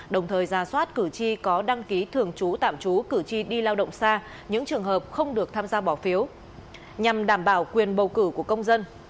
đồng thời ra soát cử tri có đăng ký thường trú tạm trú cử tri đi lao động xa những trường hợp không được tham gia bỏ phiếu nhằm đảm bảo quyền bầu cử của công dân